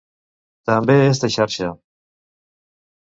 També és de xarxa.